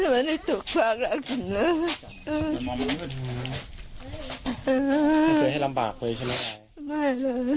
มันเลี้ยงแต่เด็กเลยใช่มั้ย